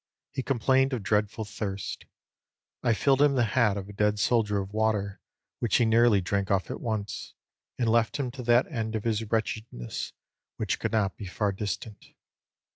He complained of dreadful thirst. I filled him the hat of a dead soldier with water, which he nearly drank off at once, and left him to that end of his wretchedness which could not be far distant.'"